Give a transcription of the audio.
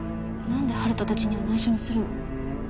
何で温人達には内緒にするの？